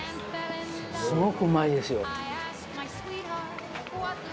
すごくうまいですよ。